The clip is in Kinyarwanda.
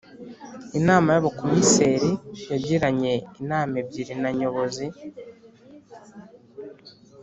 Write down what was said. Inama y’Abakomiseri yagiranye inama ebyiri na Nyobozi